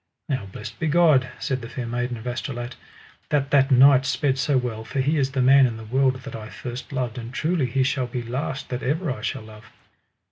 Now blessed be God, said the Fair Maiden of Astolat, that that knight sped so well, for he is the man in the world that I first loved, and truly he shall be last that ever I shall love.